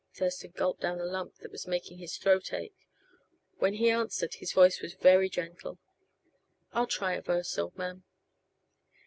Thurston gulped down a lump that was making his throat ache. When he answered, his voice was very gentle: "I'll try a verse, old man."